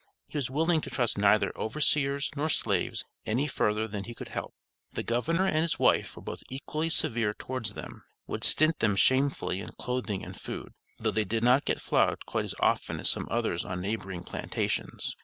He was willing to trust neither overseers nor slaves any further than he could help. The governor and his wife were both equally severe towards them; would stint them shamefully in clothing and food, though they did not get flogged quite as often as some others on neighboring plantations.